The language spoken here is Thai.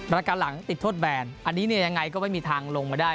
รายการหลังติดโทษแบนอันนี้เนี่ยยังไงก็ไม่มีทางลงมาได้